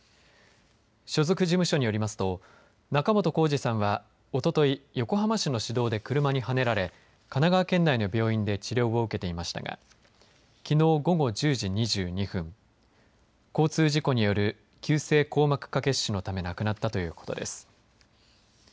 所属事務所によりますと仲本工事さんはおとと横浜市の市道で車にはねられ神奈川県内の病院で治療を受けていましたがきのう午後１０時２２分交通事故による急性硬膜下血腫のため亡くなったということです。